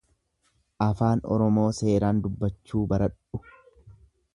Afaan Oromoo seeraan dubbachuu baradhu.